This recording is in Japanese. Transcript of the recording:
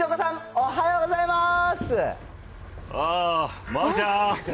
おはようございます。